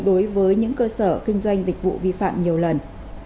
đối với những cơ sở kinh doanh dịch vụ vi phạm nhiều lần